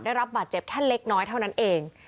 ได้รับบาดเจ็บแค่เล็กน้อยเท่านั้นเอง